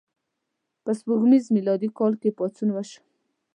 په سپوږمیز میلادي کال کې پاڅون وشو.